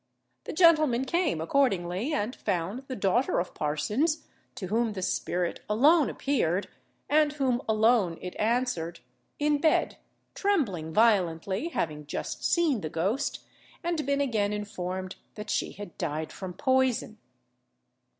The gentleman came accordingly, and found the daughter of Parsons, to whom the spirit alone appeared, and whom alone it answered, in bed, trembling violently, having just seen the ghost, and been again informed that she had died from poison.